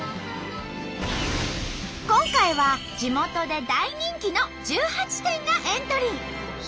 今回は地元で大人気の１８店がエントリー。